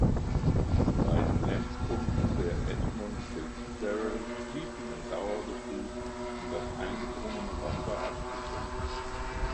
Die beiden Lenzpumpen der "Edmund Fitzgerald" liefen im Dauerbetrieb, um das eingedrungene Wasser abzupumpen.